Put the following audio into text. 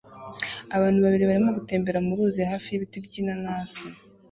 Abantu babiri barimo gutembera mu ruzi hafi y'ibiti by'inanasi